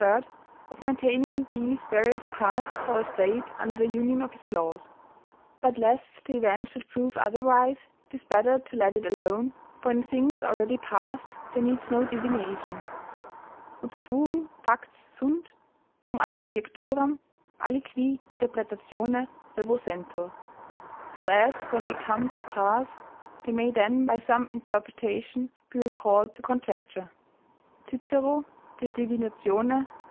] of maintaining these various parts of our state under the union of his laws; but lest the event should prove otherwise, 'tis better to let it alone, for in things already past there needs no divination, "Ut quum facts sunt, tum ad conjecturam aliqui interpretatione revocentur;" ["So as when they are come to pass, they may then by some interpretation be recalled to conjecture" Cicero, De Divin., ii.